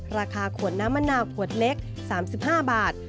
ราคาขวดน้ำมะนาวขวดเล็ก๓๕บาท